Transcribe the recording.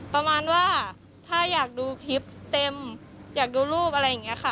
ประมาณว่าถ้าอยากดูคลิปเต็มอยากดูรูปอะไรอย่างนี้ค่ะ